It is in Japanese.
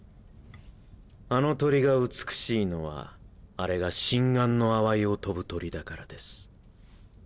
あの鳥が美しいのはあれが真贋のあわいを飛ぶ鳥だからです。